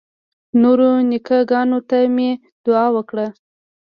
نورو نیکه ګانو ته مې دعا وکړه.